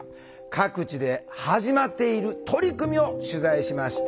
各地で始まっている取り組みを取材しました。